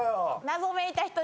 謎めいた人。